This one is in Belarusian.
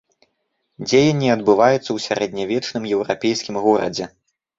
Дзеянне адбываецца ў сярэднявечным еўрапейскім горадзе.